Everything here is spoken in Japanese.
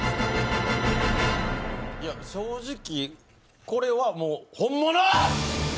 正直、これはもう本物！